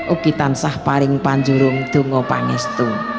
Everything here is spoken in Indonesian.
ukitan sah paring panjurung dungo pangestu